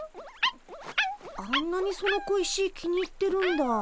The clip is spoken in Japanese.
あんなにその小石気に入ってるんだ。